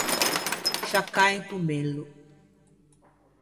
Sciaccâ un pommello.